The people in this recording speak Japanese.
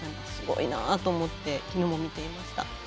すごいなって思ってきのうも見ていました。